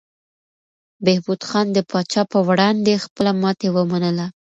بهبود خان د پاچا په وړاندې خپله ماتې ومنله.